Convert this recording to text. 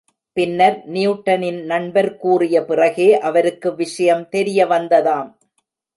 பின்னர், நியூட்டனின் நண்பர் கூறிய பிறகே அவருக்கு விஷயம் தெரிய வந்ததாம்.